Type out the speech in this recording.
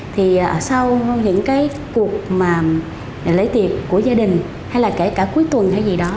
thì ở sau những cái cuộc mà lễ tiệc của gia đình hay là kể cả cuối tuần hay gì đó